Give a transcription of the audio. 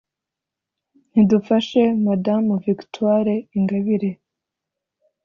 nidufashe madame Victoire Ingabire